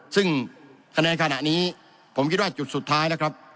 ซึ่งคะแนนขณะนี้ผมคิดว่าจุดสุดท้ายนะครับ